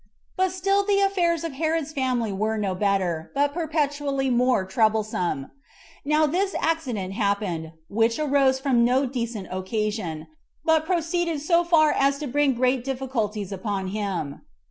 1. But still the affairs of Herod's family were no better, but perpetually more troublesome. Now this accident happened, which arose from no decent occasion, but proceeded so far as to bring great difficulties upon him.